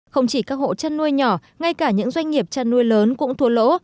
không chỉ các hộ chăn nuôi nhỏ ngay cả những doanh nghiệp chăn nuôi lớn cũng thua lỗ